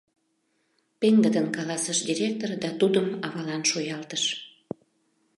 — пеҥгыдын каласыш директор да тудым авалан шуялтыш.